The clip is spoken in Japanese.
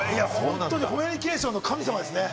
コミュニケーションの神様ですね。